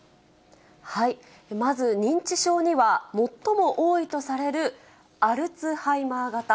まず認知症には、最も多いとされるアルツハイマー型。